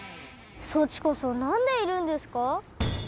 そっちこそなんでいるんですか？